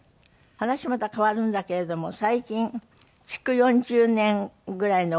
話また変わるんだけれども最近築４０年ぐらいのおうちを改築なすったんですって？